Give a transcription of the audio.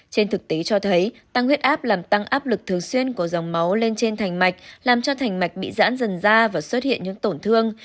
trên thực tế cho thấy tăng huyết áp làm tăng áp lực thường xuyên của dòng máu lên trên thành mạch làm cho thành mạch bị giãn dần da và xuất hiện những tổn thương